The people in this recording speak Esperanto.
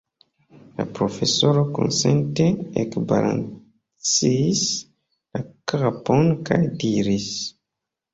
La profesoro konsente ekbalancis la kapon kaj diris: